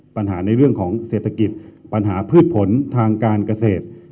ปัญหาในเรื่องของเศรษฐกิจปัญหาพืชผลทางการเกษตร